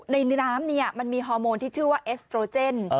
ในน้ำมันมีฮอร์โมนที่ชื่อว่าเอสโตรเจน